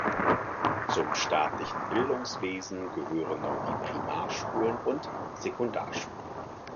Zum staatlichen Bildungswesen gehören noch die Primarschulen und Sekundarschulen.